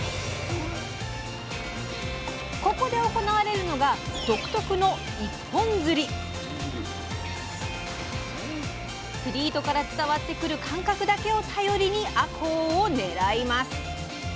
ここで行われるのが独特の釣り糸から伝わってくる感覚だけを頼りにあこうを狙います。